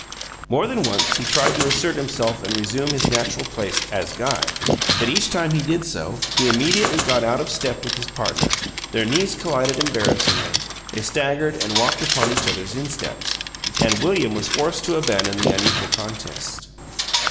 More than once he tried to assert himself and resume his natural place as guide, but each time he did so he immediately got out of step with his partner, their knees collided embarrassingly, they staggered and walked upon each other's insteps and William was forced to abandon the unequal contest.